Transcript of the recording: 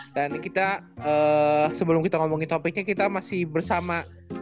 dan kita sebelum kita ngomongin topiknya kita masih bersama